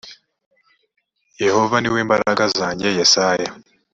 yehova ni we mbaraga zanjye yesaya